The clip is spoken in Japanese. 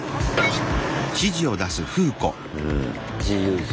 自由人。